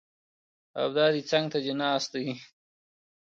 او دا دی څنګ ته دې ناست دی!